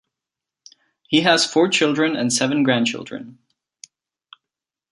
He has four children and seven grandchildren.